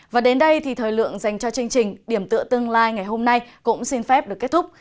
và đến đây thì thời lượng dành cho chương trình điểm tựa tương lai ngày hôm nay cũng xin phép được kết thúc